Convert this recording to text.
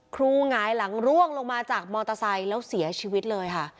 หงายหลังร่วงลงมาจากมอเตอร์ไซค์แล้วเสียชีวิตเลยค่ะ